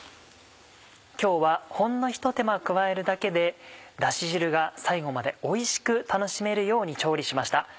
今日はほんのひと手間加えるだけでダシ汁が最後までおいしく楽しめるように調理しました。